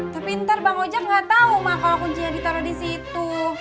tapi ntar bang ojak gak tau mak kalo kuncinya ditaro di situ